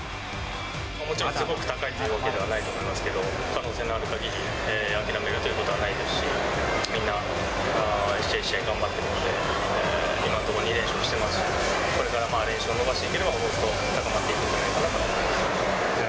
もちろん、すごく高いというわけではないと思いますけど、可能性があるかぎり、諦めるということはないですし、みんな、一試合一試合頑張っているので、今のところ２連勝してますしね、これから連勝を伸ばしていければ、おのずと高まっていくんじゃないかなとは思います。